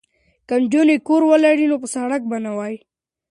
که نجونې کور ولري نو په سړک به نه وي.